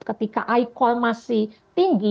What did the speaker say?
ketika icall masih tinggi